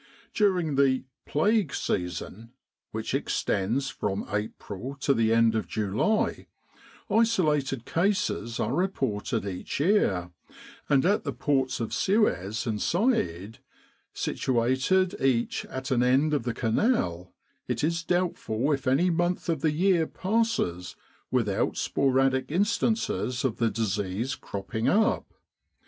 During the "plague season/' which extends from April to the end of July, isolated cases are reported each year, and at the ports of Suez and Said, situated each at an end of the Canal, it is doubtful if any month of any year passes without sporadic instances of the disease cropping up.